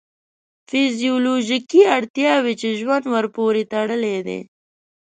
فیزیولوژیکې اړتیاوې چې ژوند ورپورې تړلی دی.